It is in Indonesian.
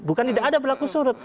bukan tidak ada berlaku surut